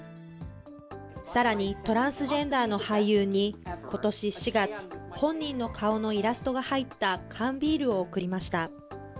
さらに、トランスジェンダーの俳優に、ことし４月、本人の顔のイラストが入った缶ビールを贈りました。